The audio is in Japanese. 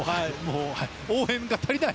応援が足りない！